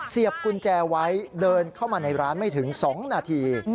กุญแจไว้เดินเข้ามาในร้านไม่ถึง๒นาที